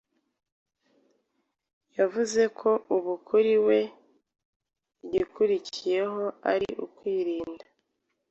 yavuze ko ubu igikurikiyeho kuri we arukwirinda